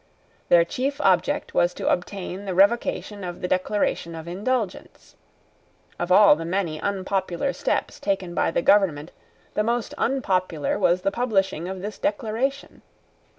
Their chief object was to obtain the revocation of the Declaration of Indulgence. Of all the many unpopular steps taken by the government the most unpopular was the publishing of this Declaration.